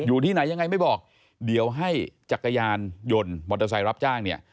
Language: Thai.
อยู่ที่ไหนยังไงไม่บอกเดี๋ยวให้จักรยานยนต์มอเตอร์ไซค์รับจ้างเนี่ย